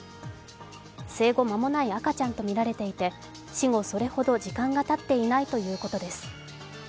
生後間もない赤ちゃんとみられていて死後それほど時間がたっていないということです。